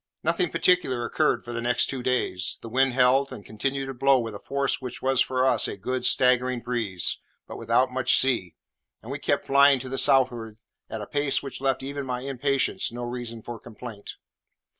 Nothing particular occurred for the next two days. The wind held, and continued to blow with a force which was, for us, a good, staggering breeze, but without much sea; and we kept flying to the southward at a pace which left even my impatience no reason for complaint.